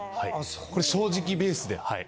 これ正直ベースではい。